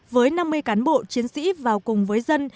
với năm mươi cán bộ chiến sĩ vào cùng với dân